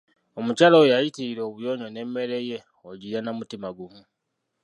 Omukyala oyo yayitirira obuyonjo n'emmere ye ogirya na mutima gumu.